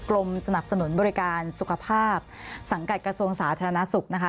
กรมสนับสนุนบริการสุขภาพสังกัดกระทรวงสาธารณสุขนะคะ